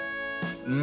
うん。